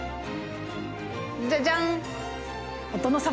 じゃじゃん！